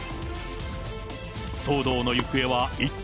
騒動の行方は一体。